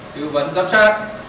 tư vấn giám sát